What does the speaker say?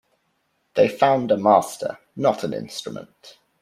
They found a master, not an instrument.